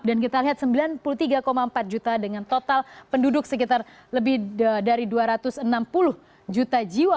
dan kita lihat sembilan puluh tiga empat juta dengan total penduduk sekitar lebih dari dua ratus enam puluh juta jiwa